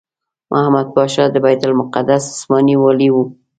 محمد پاشا د بیت المقدس عثماني والي وو.